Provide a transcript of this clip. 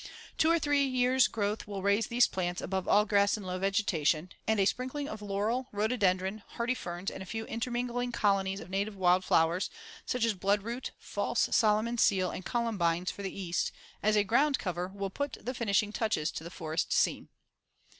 Two or three years' growth will raise these plants above all grass and low vegetation, and a sprinkling of laurel, rhododendron, hardy ferns and a few intermingling colonies of native wild flowers such as bloodroot, false Solomon's seal and columbines for the East, as a ground cover will put the finishing touches to the forest scene.